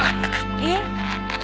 えっ？